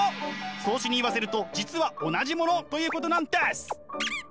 荘子に言わせると実は同じものということなんです！